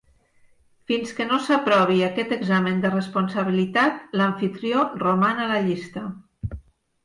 Fins que no s'aprovi aquest examen de responsabilitat, l'amfitrió roman a la llista.